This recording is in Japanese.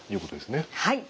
はい。